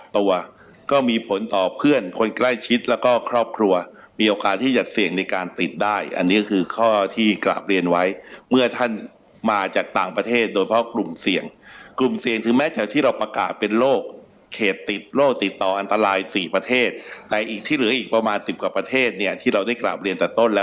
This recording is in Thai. ตัวก็มีผลต่อเพื่อนคนใกล้ชิดแล้วก็ครอบครัวมีโอกาสที่จะเสี่ยงในการติดได้อันนี้ก็คือข้อที่กราบเรียนไว้เมื่อท่านมาจากต่างประเทศโดยเฉพาะกลุ่มเสี่ยงกลุ่มเสี่ยงถึงแม้แถวที่เราประกาศเป็นโรคเขตติดโรคติดต่ออันตราย๔ประเทศแต่อีกที่เหลืออีกประมาณสิบกว่าประเทศเนี่ยที่เราได้กราบเรียนแต่ต้นแล้ว